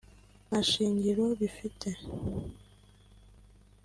nta shingiro bifite